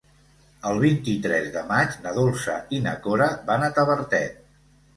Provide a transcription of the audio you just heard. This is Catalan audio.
El vint-i-tres de maig na Dolça i na Cora van a Tavertet.